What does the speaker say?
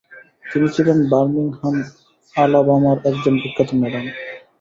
তিনি ছিলেন বার্মিংহাম, আলাবামার একজন বিখ্যাত ম্যাডাম।